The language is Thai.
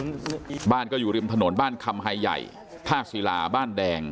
บ้านก็อยู่ริมถนนบ้านคำไฮใหญ่ท่าศิลาบ้านแดง